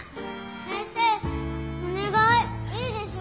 先生お願いいいでしょ？